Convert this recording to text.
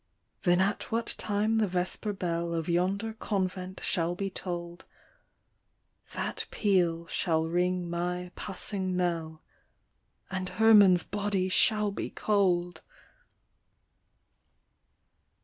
" Then at what time the vesper bell Of yonder convent shall be toll'd, That peal shall ring my passing knell, And Herman's body shall be cold